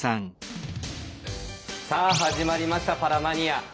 さあ始まりました「パラマニア」。